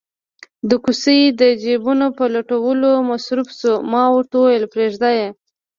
د کوسۍ د جېبونو په لټولو مصروف شو، ما ورته وویل: پرېږده یې.